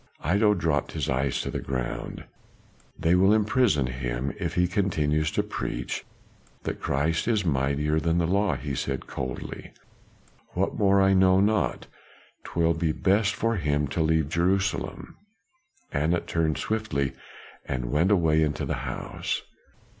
Iddo dropped his eyes to the ground. "They will imprison him if he continues to preach that the Christ is mightier than the law," he said coldly. "What more I know not. 'Twill be best for him to leave Jerusalem." Anat turned swiftly and went away into the house.